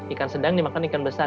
ikan sedang dimakan ikan besar